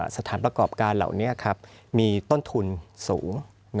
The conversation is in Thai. สถานประกอบการเหล่านี้มีต้นทุนสูง